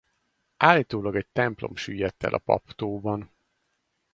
Állítólag egy templom süllyedt el a Pap-tóban.